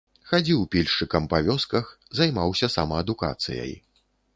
Хадзіў пільшчыкам па вёсках, займаўся самаадукацыяй.